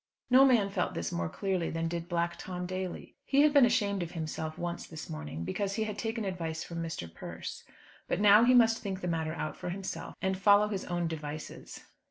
No man felt this more clearly than did Black Tom Daly. He had been ashamed of himself once this morning, because he had taken advice from Mr. Persse. But now he must think the matter out for himself and follow his own devices.